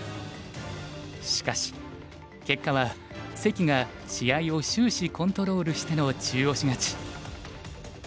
しかし結果は関が試合を終始コントロールしての中押し勝ち。